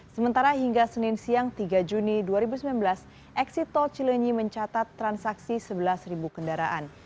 sementara hingga senin siang tiga juni dua ribu sembilan belas eksit tol cileni mencatat transaksi sebelas ribu kendaraan